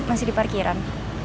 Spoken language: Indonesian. masih di parkiran